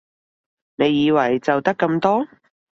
你以為就得咁多？